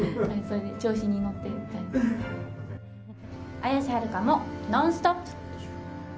綾瀬はるかも「ノンストップ！」。